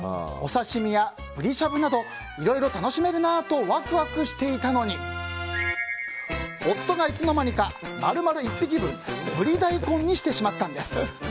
お刺し身やブリしゃぶなどいろいろ楽しめるなとワクワクしていたのに夫がいつの間にか丸々１匹分、ブリ大根にしてしまったんです。